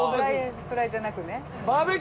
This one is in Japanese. フライじゃなくね。